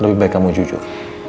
lebih baik kamu jujur